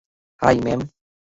High, ma'am.